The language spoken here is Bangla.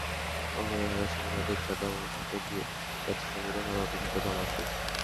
কখনো দেখা গেছে মিলাদের চাঁদা ওঠাতে গেছে সমীরণ আবার পুজোর চাঁদা মাসুক।